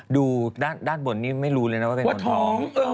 ดูด้านบนนี้ไม่รู้เลยนะว่าเป็นบนท้อง